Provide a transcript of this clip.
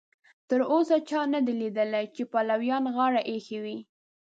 تر اوسه چا نه دي لیدلي چې پلویانو غاړه ایښې وي.